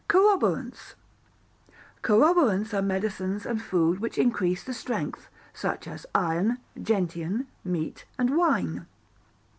Corroborants Corroborants are medicines and food which increase the strength, such as iron, gentian, meat, and wine.